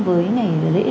với ngày lễ